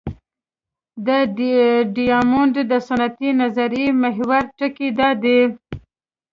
د ډیامونډ د سنتي نظریې محوري ټکی دا دی.